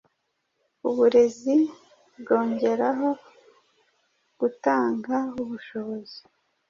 uburezi bwongeraho gutanga ubushobozi